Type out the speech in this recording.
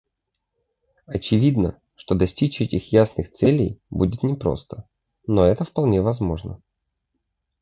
Очевидно, что достичь этих ясных целей будет непросто, но это вполне возможно.